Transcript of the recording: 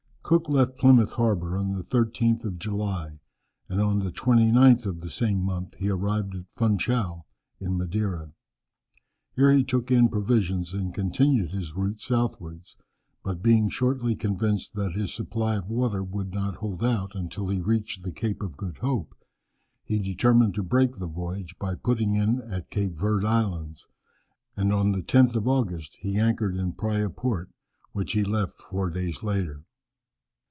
Cook left Plymouth harbour on the 13th of July, and on the 29th of the same month he arrived at Funchal, in Madeira. Here he took in provisions, and continued his route southwards. But being shortly convinced that his supply of water would not hold out until he reached the Cape of Good Hope, he determined to break the voyage by putting in at Cape Verd Islands, and on the 10th of August he anchored in Praya Port, which he left four days later.